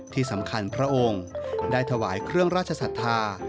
ที่สำคัญพระองค์ได้ถวายเครื่องราชศรัทธา